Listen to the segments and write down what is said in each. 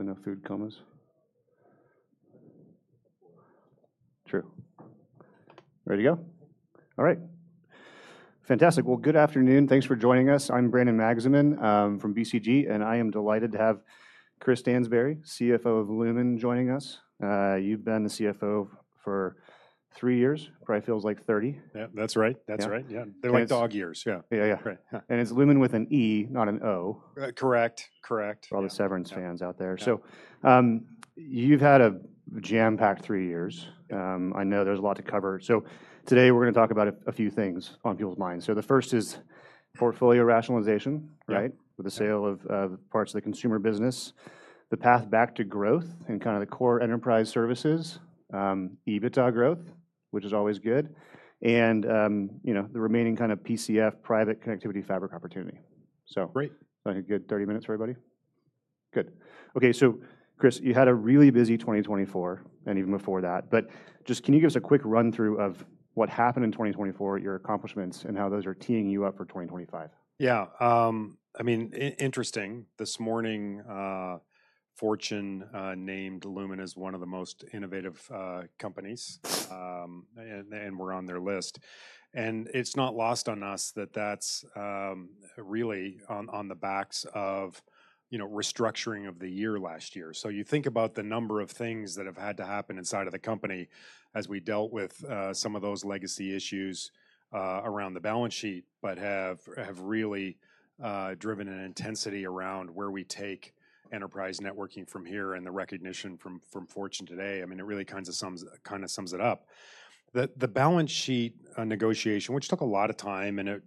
When their food comes. Christopher Stansbury. True. Ready to go? All right. Fantastic. Good afternoon. Thanks for joining us. I'm Brandon Magazine from BCG, and I am delighted to have Chris Stansbury, CFO of Lumen, joining us. You've been the CFO for three years. Probably feels like 30. Yeah, that's right. That's right. Yeah. They're like dog years. Yeah. Yeah, yeah. It's Lumen with an E, not an O. Correct. Correct. All the Severance fans out there. You have had a jam-packed three years. I know there is a lot to cover. Today we are going to talk about a few things on people's minds. The first is portfolio rationalization, right? With the sale of parts of the consumer business, the path back to growth and kind of the core enterprise services, EBITDA growth, which is always good. The remaining kind of PCF, Private Connectivity Fabric opportunity. Great. I think a good 30 minutes for everybody. Good. Okay. Chris, you had a really busy 2024, and even before that. Just can you give us a quick run-through of what happened in 2024, your accomplishments, and how those are teeing you up for 2025? Yeah. I mean, interesting. This morning, Fortune named Lumen as one of the most innovative companies, and we're on their list. It's not lost on us that that's really on the backs of restructuring of the year last year. You think about the number of things that have had to happen inside of the company as we dealt with some of those legacy issues around the balance sheet, but have really driven an intensity around where we take enterprise networking from here and the recognition from Fortune today. I mean, it really kind of sums it up. The balance sheet negotiation, which took a lot of time, and it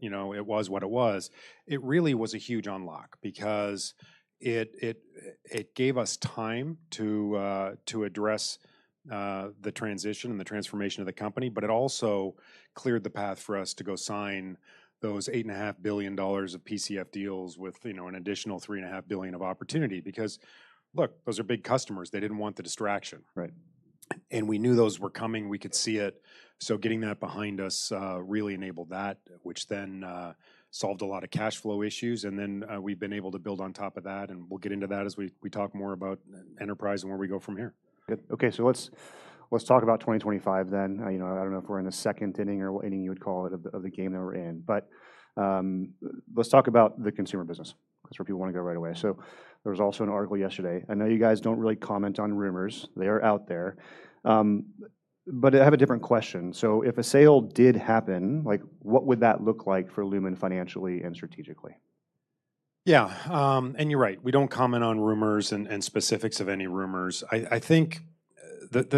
was what it was, it really was a huge unlock because it gave us time to address the transition and the transformation of the company, but it also cleared the path for us to go sign those $8.5 billion of PCF deals with an additional $3.5 billion of opportunity because, look, those are big customers. They did not want the distraction. Right. We knew those were coming. We could see it. Getting that behind us really enabled that, which then solved a lot of cash flow issues. We have been able to build on top of that, and we'll get into that as we talk more about enterprise and where we go from here. Good. Okay. Let's talk about 2025 then. I don't know if we're in the second inning or what inning you would call it of the game that we're in. Let's talk about the consumer business. That's where people want to go right away. There was also an article yesterday. I know you guys don't really comment on rumors. They are out there. I have a different question. If a sale did happen, what would that look like for Lumen financially and strategically? Yeah. You're right. We don't comment on rumors and specifics of any rumors. I think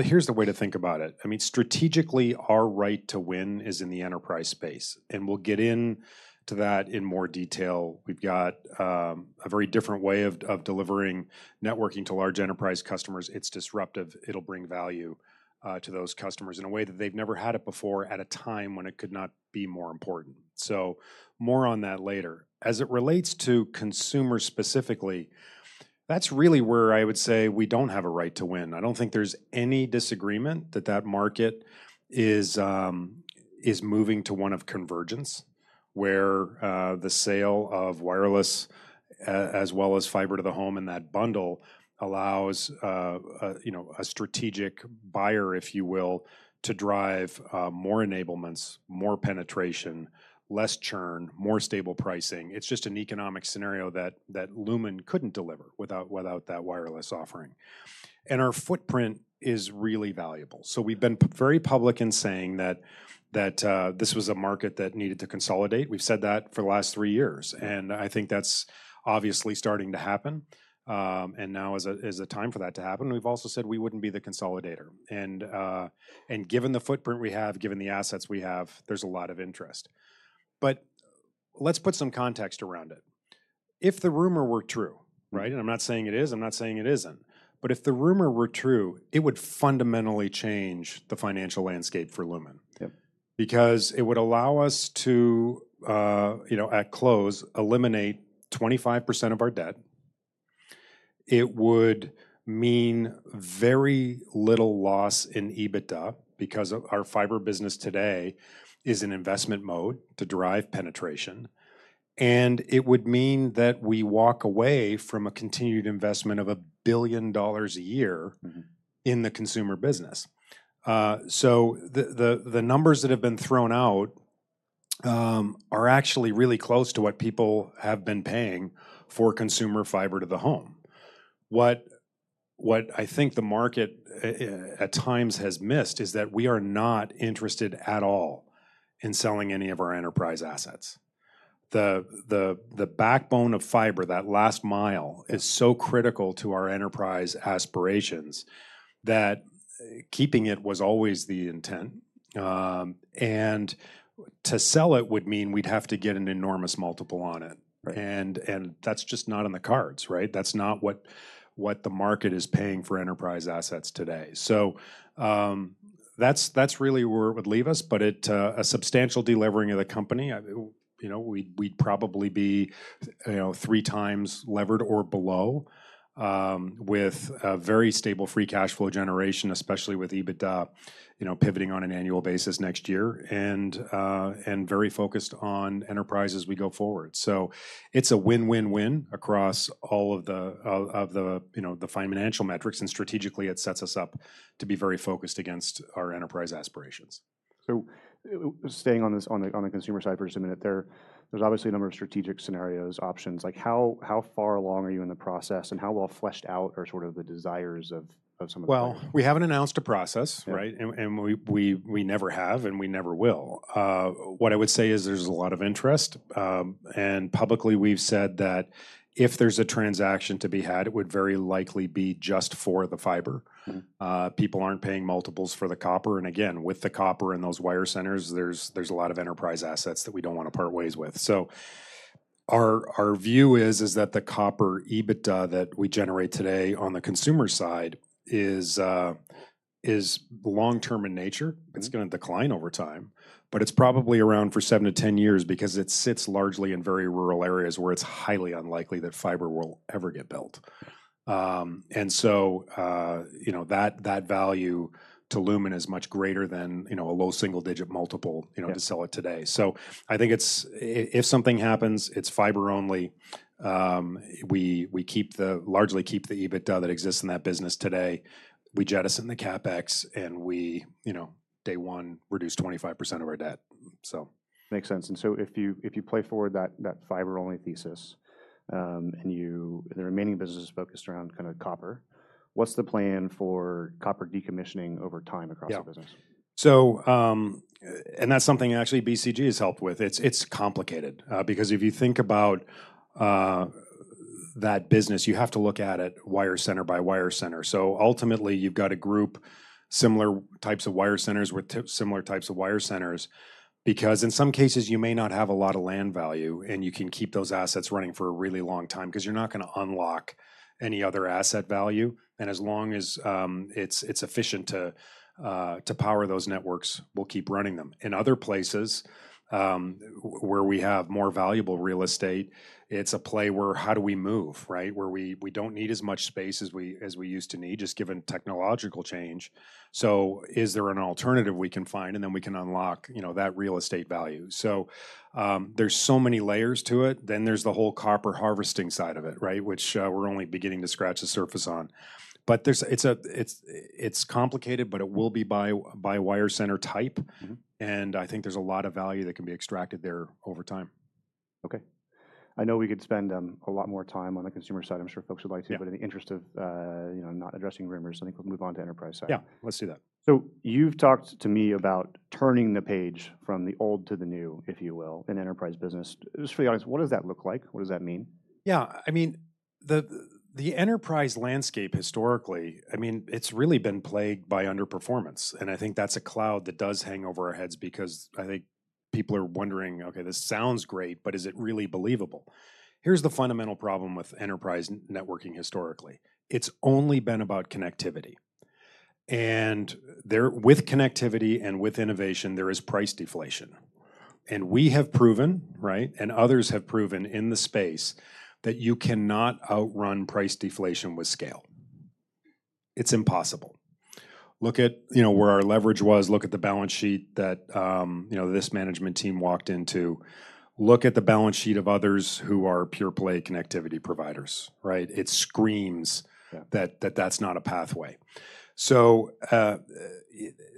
here's the way to think about it. I mean, strategically, our right to win is in the enterprise space. We'll get into that in more detail. We've got a very different way of delivering networking to large enterprise customers. It's disruptive. It'll bring value to those customers in a way that they've never had it before at a time when it could not be more important. More on that later. As it relates to consumers specifically, that's really where I would say we don't have a right to win. I don't think there's any disagreement that that market is moving to one of convergence, where the sale of wireless as well as fiber to the home in that bundle allows a strategic buyer, if you will, to drive more enablements, more penetration, less churn, more stable pricing. It's just an economic scenario that Lumen couldn't deliver without that wireless offering. And our footprint is really valuable. We've been very public in saying that this was a market that needed to consolidate. We've said that for the last three years. I think that's obviously starting to happen. Now is the time for that to happen. We've also said we wouldn't be the consolidator. Given the footprint we have, given the assets we have, there's a lot of interest. Let's put some context around it. If the rumor were true, right? I'm not saying it is. I'm not saying it isn't. If the rumor were true, it would fundamentally change the financial landscape for Lumen. It would allow us to, at close, eliminate 25% of our debt. It would mean very little loss in EBITDA because our fiber business today is in investment mode to drive penetration. It would mean that we walk away from a continued investment of $1 billion a year in the consumer business. The numbers that have been thrown out are actually really close to what people have been paying for consumer fiber to the home. What I think the market at times has missed is that we are not interested at all in selling any of our enterprise assets. The backbone of fiber, that last mile, is so critical to our enterprise aspirations that keeping it was always the intent. To sell it would mean we'd have to get an enormous multiple on it. That's just not on the cards, right? That's not what the market is paying for enterprise assets today. That is really where it would leave us. A substantial delivering of the company, we'd probably be three times levered or below with a very stable free cash flow generation, especially with EBITDA pivoting on an annual basis next year, and very focused on enterprise as we go forward. It is a win-win-win across all of the financial metrics. Strategically, it sets us up to be very focused against our enterprise aspirations. Staying on the consumer side for just a minute there, there's obviously a number of strategic scenarios, options. How far along are you in the process? And how well fleshed out are sort of the desires of some of the companies? We haven't announced a process, right? We never have, and we never will. What I would say is there's a lot of interest. Publicly, we've said that if there's a transaction to be had, it would very likely be just for the fiber. People aren't paying multiples for the copper. With the copper and those wire centers, there's a lot of enterprise assets that we don't want to part ways with. Our view is that the copper EBITDA that we generate today on the consumer side is long-term in nature. It's going to decline over time. It's probably around for 7 to 10 years because it sits largely in very rural areas where it's highly unlikely that fiber will ever get built. That value to Lumen is much greater than a low single-digit multiple to sell it today. I think if something happens, it is fiber only. We largely keep the EBITDA that exists in that business today. We jettison the CapEx, and we, day one, reduce 25% of our debt. Makes sense. If you play forward that fiber-only thesis and the remaining business is focused around kind of copper, what's the plan for copper decommissioning over time across the business? That's something actually BCG has helped with. It's complicated because if you think about that business, you have to look at it wire center by wire center. Ultimately, you've got to group similar types of wire centers with similar types of wire centers because in some cases, you may not have a lot of land value, and you can keep those assets running for a really long time because you're not going to unlock any other asset value. As long as it's efficient to power those networks, we'll keep running them. In other places where we have more valuable real estate, it's a play where how do we move, right? Where we don't need as much space as we used to need just given technological change. Is there an alternative we can find, and then we can unlock that real estate value? There are so many layers to it. Then there is the whole copper harvesting side of it, right, which we are only beginning to scratch the surface on. It is complicated, but it will be by wire center type. I think there is a lot of value that can be extracted there over time. Okay. I know we could spend a lot more time on the consumer side. I'm sure folks would like to, but in the interest of not addressing rumors, I think we'll move on to enterprise side. Yeah, let's do that. You have talked to me about turning the page from the old to the new, if you will, in enterprise business. Just for the audience, what does that look like? What does that mean? Yeah. I mean, the enterprise landscape historically, I mean, it's really been plagued by underperformance. I think that's a cloud that does hang over our heads because I think people are wondering, "Okay, this sounds great, but is it really believable?" Here's the fundamental problem with enterprise networking historically. It's only been about connectivity. With connectivity and with innovation, there is price deflation. We have proven, right, and others have proven in the space that you cannot outrun price deflation with scale. It's impossible. Look at where our leverage was. Look at the balance sheet that this management team walked into. Look at the balance sheet of others who are pure-play connectivity providers, right? It screams that that's not a pathway.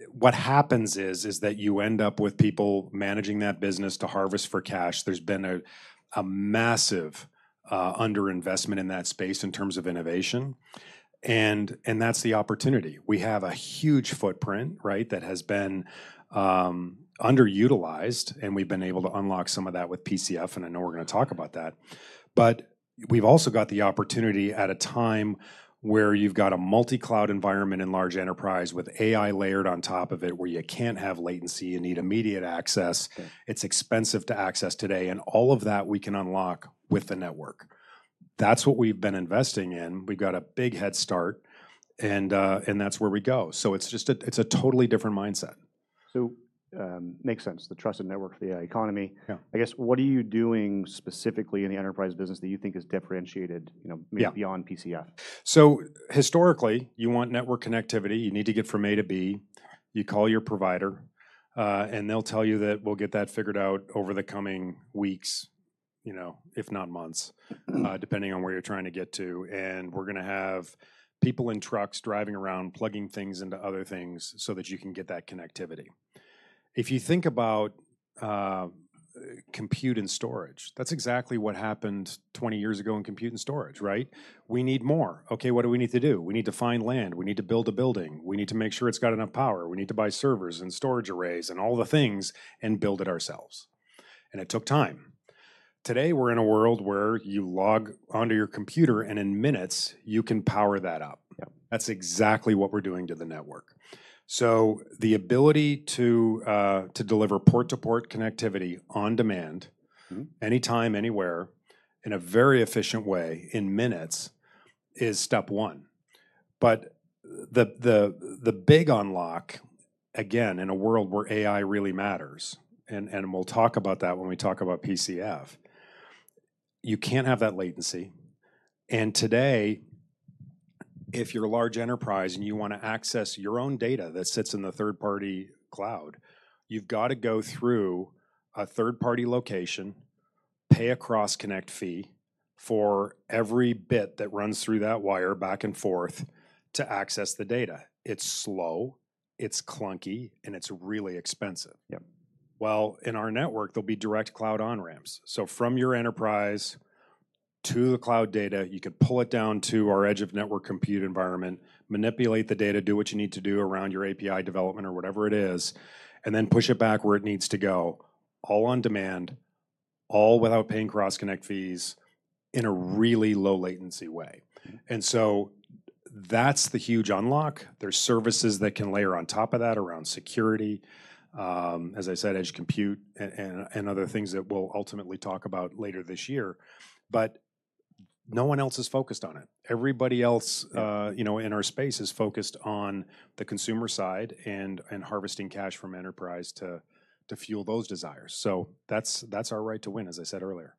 What happens is that you end up with people managing that business to harvest for cash. has been a massive underinvestment in that space in terms of innovation. That is the opportunity. We have a huge footprint, right, that has been underutilized. We have been able to unlock some of that with PCF. I know we are going to talk about that. We have also got the opportunity at a time where you have got a multi-cloud environment in large enterprise with AI layered on top of it, where you cannot have latency. You need immediate access. It is expensive to access today. All of that we can unlock with the network. That is what we have been investing in. We have got a big head start. That is where we go. It is a totally different mindset. It makes sense. The trusted network for the AI economy. I guess, what are you doing specifically in the enterprise business that you think has differentiated beyond PCF? Historically, you want network connectivity. You need to get from A to B. You call your provider, and they'll tell you that we'll get that figured out over the coming weeks, if not months, depending on where you're trying to get to. We're going to have people in trucks driving around, plugging things into other things so that you can get that connectivity. If you think about compute and storage, that's exactly what happened 20 years ago in compute and storage, right? We need more. Okay, what do we need to do? We need to find land. We need to build a building. We need to make sure it's got enough power. We need to buy servers and storage arrays and all the things and build it ourselves. It took time. Today, we're in a world where you log onto your computer, and in minutes, you can power that up. That's exactly what we're doing to the network. The ability to deliver port-to-port connectivity on demand, anytime, anywhere, in a very efficient way in minutes is step one. The big unlock, again, in a world where AI really matters, and we'll talk about that when we talk about PCF, you can't have that latency. Today, if you're a large enterprise and you want to access your own data that sits in the third-party cloud, you've got to go through a third-party location, pay a cross-connect fee for every bit that runs through that wire back and forth to access the data. It's slow. It's clunky, and it's really expensive. In our network, there'll be direct cloud on-ramps. From your enterprise to the cloud data, you can pull it down to our edge-of-network compute environment, manipulate the data, do what you need to do around your API development or whatever it is, and then push it back where it needs to go, all on demand, all without paying cross-connect fees in a really low-latency way. That is the huge unlock. There are services that can layer on top of that around security, as I said, edge compute, and other things that we will ultimately talk about later this year. No one else is focused on it. Everybody else in our space is focused on the consumer side and harvesting cash from enterprise to fuel those desires. That is our right to win, as I said earlier.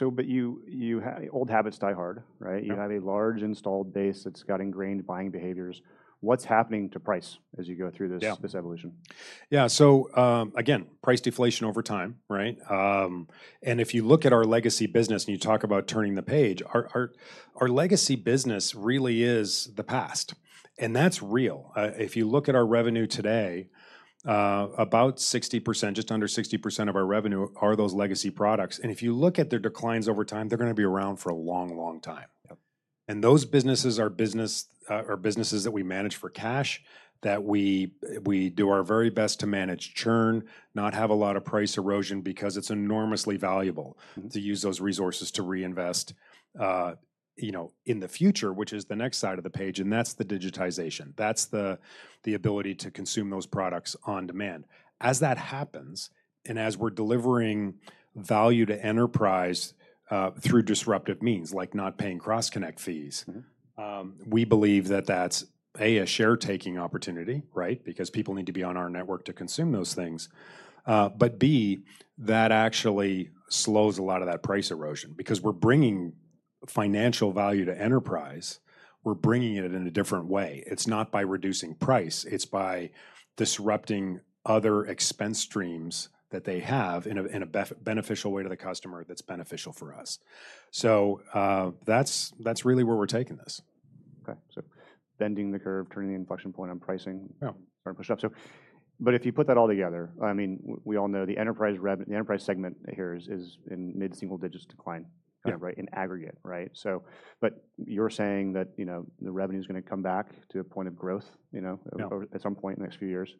Old habits die hard, right? You have a large installed base that's got ingrained buying behaviors. What's happening to price as you go through this evolution? Yeah. Again, price deflation over time, right? If you look at our legacy business and you talk about turning the page, our legacy business really is the past. That is real. If you look at our revenue today, about 60%, just under 60% of our revenue are those legacy products. If you look at their declines over time, they are going to be around for a long, long time. Those businesses are businesses that we manage for cash, that we do our very best to manage churn, not have a lot of price erosion because it is enormously valuable to use those resources to reinvest in the future, which is the next side of the page. That is the digitization. That is the ability to consume those products on demand. As that happens, and as we're delivering value to enterprise through disruptive means, like not paying cross-connect fees, we believe that that's, A, a share-taking opportunity, right? Because people need to be on our network to consume those things. B, that actually slows a lot of that price erosion. Because we're bringing financial value to enterprise, we're bringing it in a different way. It's not by reducing price. It's by disrupting other expense streams that they have in a beneficial way to the customer that's beneficial for us. That's really where we're taking this. Okay. Bending the curve, turning the inflection point on pricing, starting to push up. If you put that all together, I mean, we all know the enterprise segment here is in mid-single-digit decline, right, in aggregate, right? You are saying that the revenue is going to come back to a point of growth at some point in the next few years.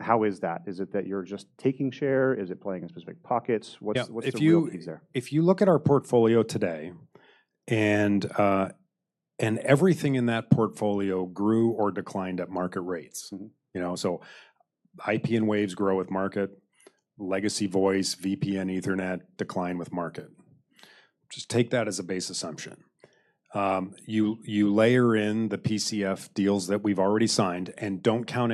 How is that? Is it that you are just taking share? Is it playing in specific pockets? What is the reality there? If you look at our portfolio today, and everything in that portfolio grew or declined at market rates. IP and Waves grow with market. Legacy Voice, VPN, Ethernet decline with market. Just take that as a base assumption. You layer in the PCF deals that we've already signed and do not count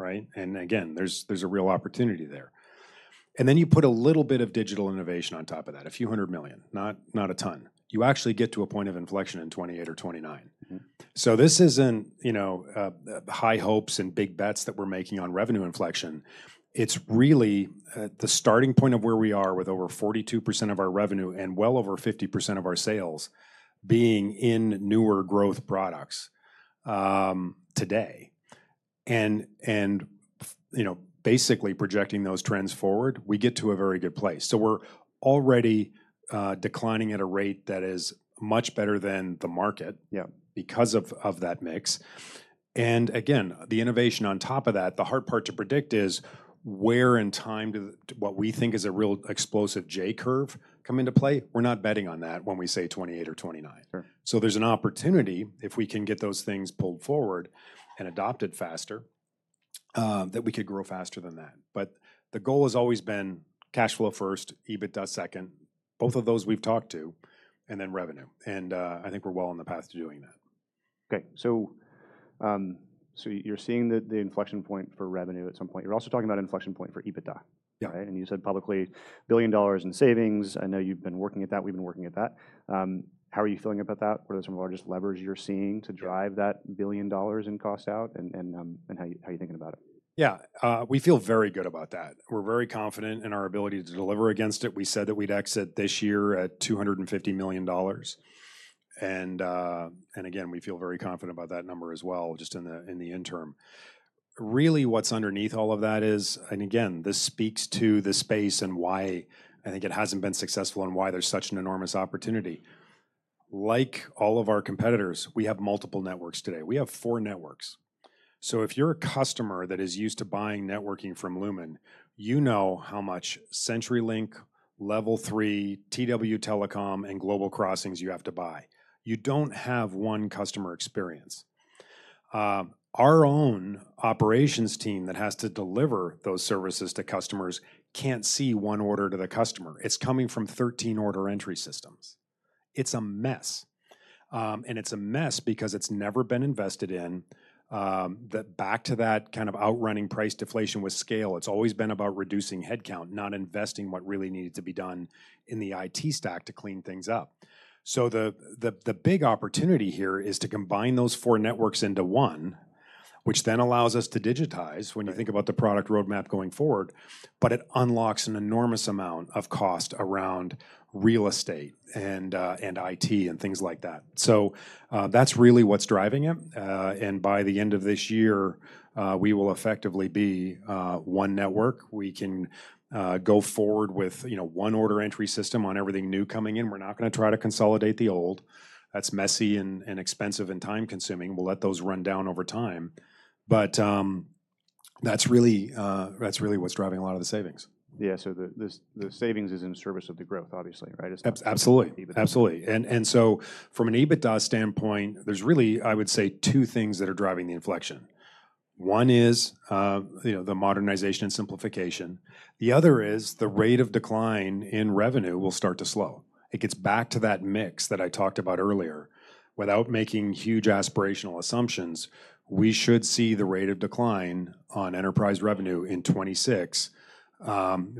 anymore, right? There is a real opportunity there. You put a little bit of digital innovation on top of that, a few hundred million, not a ton. You actually get to a point of inflection in 2028 or 2029. This is not high hopes and big bets that we are making on revenue inflection. It is really the starting point of where we are with over 42% of our revenue and well over 50% of our sales being in newer growth products today. Basically projecting those trends forward, we get to a very good place. We're already declining at a rate that is much better than the market because of that mix. Again, the innovation on top of that, the hard part to predict is where in time what we think is a real explosive J curve comes into play. We're not betting on that when we say 2028 or 2029. There's an opportunity if we can get those things pulled forward and adopted faster that we could grow faster than that. The goal has always been cash flow first, EBITDA second, both of those we've talked to, and then revenue. I think we're well on the path to doing that. Okay. You're seeing the inflection point for revenue at some point. You're also talking about an inflection point for EBITDA, right? You said publicly billion dollars in savings. I know you've been working at that. We've been working at that. How are you feeling about that? What are some of the largest levers you're seeing to drive that billion dollars in cost out? How are you thinking about it? Yeah. We feel very good about that. We're very confident in our ability to deliver against it. We said that we'd exit this year at $250 million. Again, we feel very confident about that number as well, just in the interim. Really, what's underneath all of that is, and again, this speaks to the space and why I think it hasn't been successful and why there's such an enormous opportunity. Like all of our competitors, we have multiple networks today. We have four networks. If you're a customer that is used to buying networking from Lumen, you know how much CenturyLink, Level 3, TW Telecom, and Global Crossing you have to buy. You don't have one customer experience. Our own operations team that has to deliver those services to customers can't see one order to the customer. It's coming from 13 order entry systems. It's a mess. It is a mess because it has never been invested in. Back to that kind of outrunning price deflation with scale, it has always been about reducing headcount, not investing what really needed to be done in the IT stack to clean things up. The big opportunity here is to combine those four networks into one, which then allows us to digitize when you think about the product roadmap going forward. It unlocks an enormous amount of cost around real estate and IT and things like that. That is really what is driving it. By the end of this year, we will effectively be one network. We can go forward with one order entry system on everything new coming in. We are not going to try to consolidate the old. That is messy and expensive and time-consuming. We will let those run down over time. That is really what's driving a lot of the savings. Yeah. So the savings is in service of the growth, obviously, right? Absolutely. Absolutely. From an EBITDA standpoint, there's really, I would say, two things that are driving the inflection. One is the modernization and simplification. The other is the rate of decline in revenue will start to slow. It gets back to that mix that I talked about earlier. Without making huge aspirational assumptions, we should see the rate of decline on enterprise revenue in 2026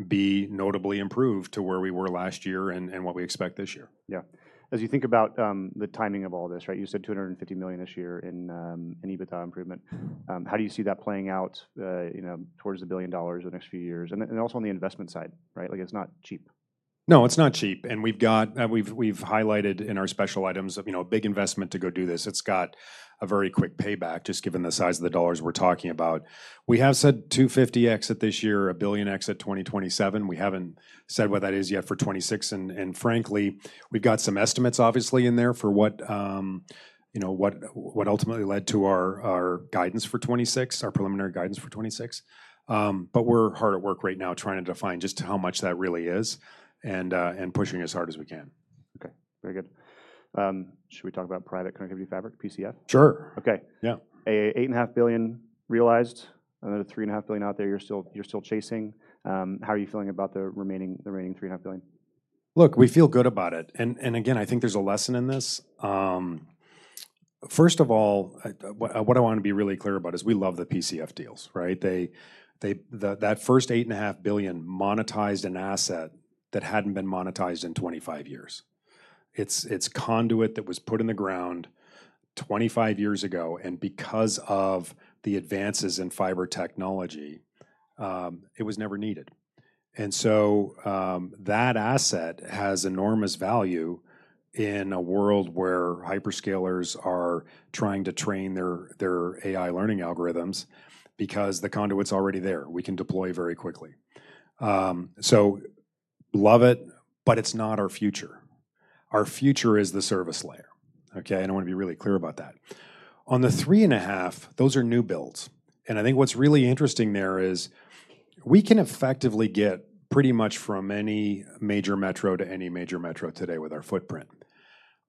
be notably improved to where we were last year and what we expect this year. Yeah. As you think about the timing of all this, right? You said $250 million this year in EBITDA improvement. How do you see that playing out towards the billion dollars in the next few years? Also on the investment side, right? It's not cheap. No, it's not cheap. We have highlighted in our special items a big investment to go do this. It's got a very quick payback, just given the size of the dollars we're talking about. We have said $250 million at this year, $1 billion at 2027. We haven't said what that is yet for 2026. Frankly, we've got some estimates, obviously, in there for what ultimately led to our guidance for 2026, our preliminary guidance for 2026. We are hard at work right now trying to define just how much that really is and pushing as hard as we can. Okay. Very good. Should we talk about private connectivity fabric, PCF? Sure. Okay. Yeah. Eight and a half billion realized, and then a three and a half billion out there you're still chasing. How are you feeling about the remaining three and a half billion? Look, we feel good about it. Again, I think there's a lesson in this. First of all, what I want to be really clear about is we love the PCF deals, right? That first $8.5 billion monetized an asset that hadn't been monetized in 25 years. It's conduit that was put in the ground 25 years ago. Because of the advances in fiber technology, it was never needed. That asset has enormous value in a world where hyperscalers are trying to train their AI learning algorithms because the conduit's already there. We can deploy very quickly. Love it, but it's not our future. Our future is the service layer. Okay? I want to be really clear about that. On the $3.5 billion, those are new builds. I think what's really interesting there is we can effectively get pretty much from any major metro to any major metro today with our footprint.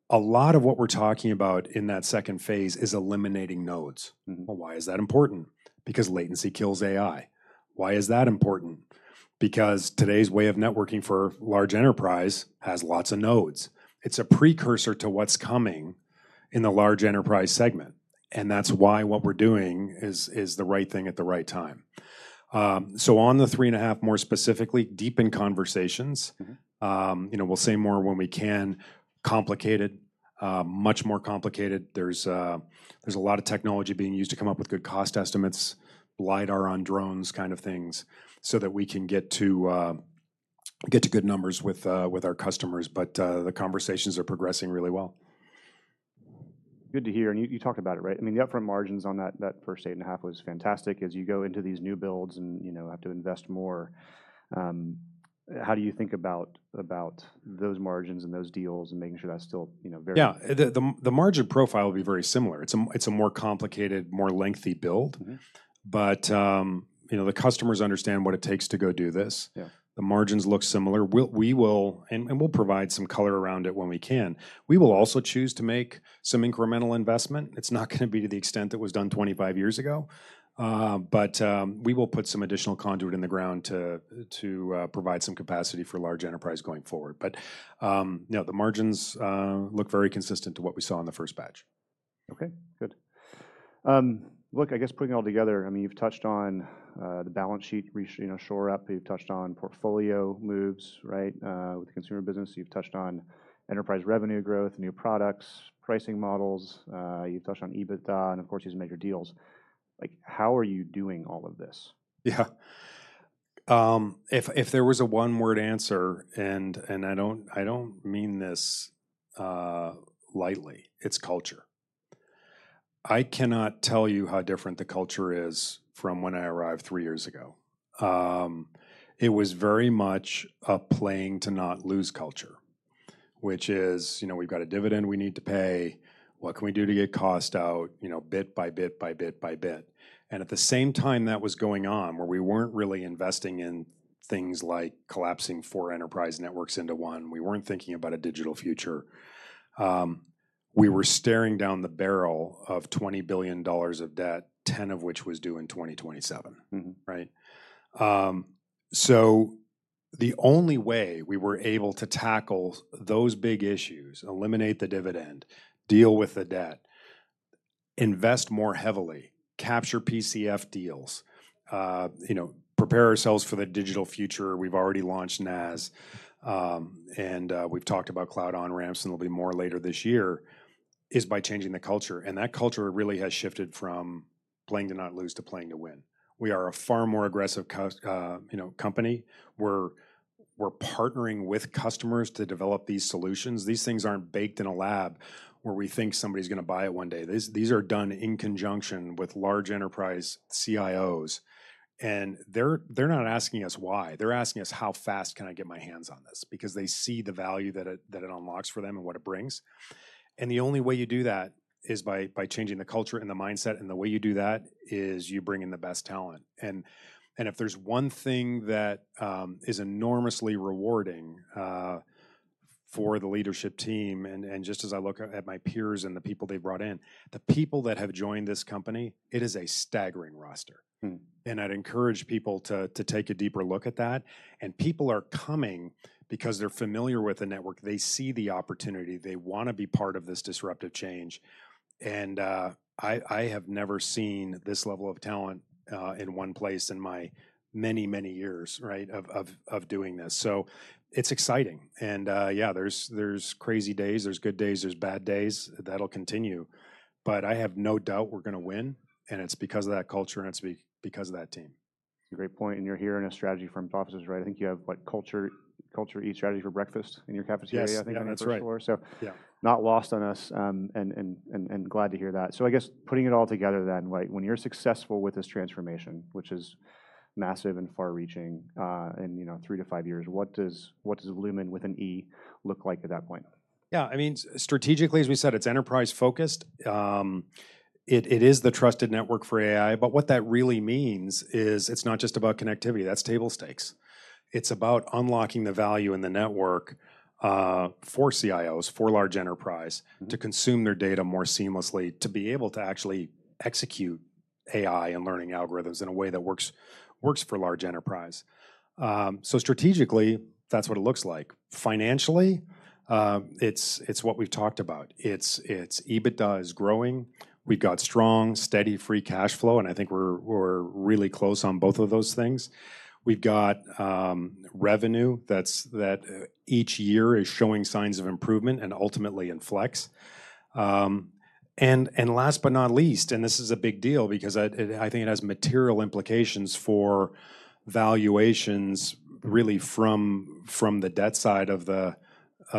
A lot of what we're talking about in that second phase is eliminating nodes. Why is that important? Because latency kills AI. Why is that important? Because today's way of networking for large enterprise has lots of nodes. It's a precursor to what's coming in the large enterprise segment. That's why what we're doing is the right thing at the right time. On the three and a half, more specifically, deepen conversations. We'll say more when we can. Complicated, much more complicated. There's a lot of technology being used to come up with good cost estimates, LIDAR on drones kind of things so that we can get to good numbers with our customers. The conversations are progressing really well. Good to hear. You talked about it, right? I mean, the upfront margins on that first $8.5 billion was fantastic as you go into these new builds and have to invest more. How do you think about those margins and those deals and making sure that's still very? Yeah. The margin profile will be very similar. It's a more complicated, more lengthy build. The customers understand what it takes to go do this. The margins look similar. We will, and we'll provide some color around it when we can. We will also choose to make some incremental investment. It's not going to be to the extent that was done 25 years ago. We will put some additional conduit in the ground to provide some capacity for large enterprise going forward. No, the margins look very consistent to what we saw in the first batch. Okay. Good. Look, I guess putting it all together, I mean, you've touched on the balance sheet shore up. You've touched on portfolio moves, right, with the consumer business. You've touched on enterprise revenue growth, new products, pricing models. You've touched on EBITDA and, of course, these major deals. How are you doing all of this? Yeah. If there was a one-word answer, and I don't mean this lightly, it's culture. I cannot tell you how different the culture is from when I arrived three years ago. It was very much a playing to not lose culture, which is we've got a dividend we need to pay. What can we do to get cost out bit by bit by bit by bit? At the same time that was going on, where we weren't really investing in things like collapsing four enterprise networks into one, we weren't thinking about a digital future. We were staring down the barrel of $20 billion of debt, $10 billion of which was due in 2027, right? The only way we were able to tackle those big issues, eliminate the dividend, deal with the debt, invest more heavily, capture PCF deals, prepare ourselves for the digital future. We've already launched NAS and we've talked about cloud on-ramps, and there'll be more later this year, is by changing the culture. That culture really has shifted from playing to not lose to playing to win. We are a far more aggressive company. We're partnering with customers to develop these solutions. These things aren't baked in a lab where we think somebody's going to buy it one day. These are done in conjunction with large enterprise CIOs. They're not asking us why. They're asking us, how fast can I get my hands on this? Because they see the value that it unlocks for them and what it brings. The only way you do that is by changing the culture and the mindset. The way you do that is you bring in the best talent. If there's one thing that is enormously rewarding for the leadership team, and just as I look at my peers and the people they've brought in, the people that have joined this company, it is a staggering roster. I'd encourage people to take a deeper look at that. People are coming because they're familiar with the network. They see the opportunity. They want to be part of this disruptive change. I have never seen this level of talent in one place in my many, many years, right, of doing this. It's exciting. Yeah, there are crazy days. There are good days. There are bad days that'll continue. I have no doubt we're going to win. It's because of that culture, and it's because of that team. Great point. You're hearing a strategy from offices, right? I think you have what? Culture Eat Strategy for Breakfast in your cafeteria, I think, on the floor. Not lost on us. Glad to hear that. I guess putting it all together then, when you're successful with this transformation, which is massive and far-reaching in three to five years, what does Lumen with an E look like at that point? Yeah. I mean, strategically, as we said, it's enterprise-focused. It is the trusted network for AI. What that really means is it's not just about connectivity. That's table stakes. It's about unlocking the value in the network for CIOs, for large enterprise, to consume their data more seamlessly, to be able to actually execute AI and learning algorithms in a way that works for large enterprise. Strategically, that's what it looks like. Financially, it's what we've talked about. EBITDA is growing. We've got strong, steady, free cash flow. I think we're really close on both of those things. We've got revenue that each year is showing signs of improvement and ultimately inflects. Last but not least, and this is a big deal because I think it has material implications for valuations really from the debt side of the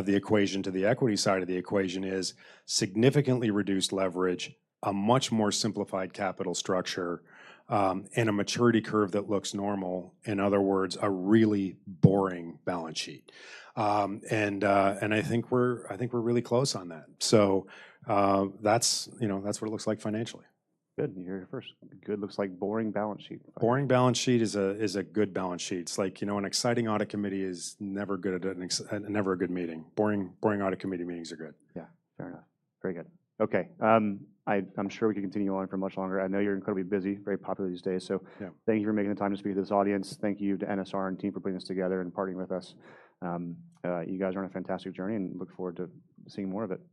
equation to the equity side of the equation, is significantly reduced leverage, a much more simplified capital structure, and a maturity curve that looks normal. In other words, a really boring balance sheet. I think we're really close on that. That's what it looks like financially. Good. You're here first. Good. Looks like boring balance sheet. Boring balance sheet is a good balance sheet. It's like an exciting audit committee is never good, never a good meeting. Boring audit committee meetings are good. Yeah. Fair enough. Very good. Okay. I'm sure we can continue on for much longer. I know you're incredibly busy, very popular these days. Thank you for making the time to speak to this audience. Thank you to NSR and team for putting this together and partnering with us. You guys are on a fantastic journey and look forward to seeing more of it.